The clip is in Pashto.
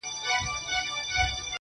اووم دوږخ دي ځای د کرونا سي!!